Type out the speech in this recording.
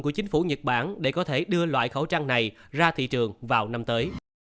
của chính phủ nhật bản để có thể đưa loại khẩu trang này ra thị trường vào năm tới